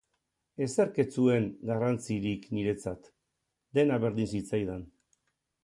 Ezerk ez zuen garrantzirik niretzat, dena berdin zitzaidan.